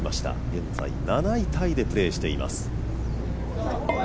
現在７位タイでプレーしています。